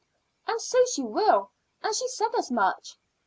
"And so she will, and she said as much.